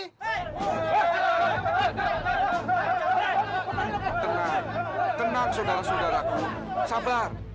tenang tenang sodara sodaraku sabar